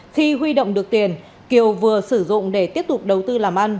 khi huy động được tiền kiều vừa sử dụng để tiếp tục đầu tư làm ăn